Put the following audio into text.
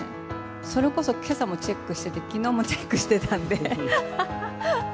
それこそ、けさもチェックしてて、きのうもチェックしてたんで。